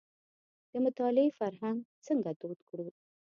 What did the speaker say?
د مطالعې فرهنګ څنګه دود کړو.